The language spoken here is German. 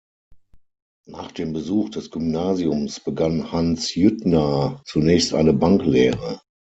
Nach dem Besuch des Gymnasiums begann Hans Jüttner zunächst eine Banklehre.